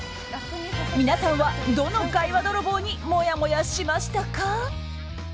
皆さんはどの会話泥棒にもやもやしましたか？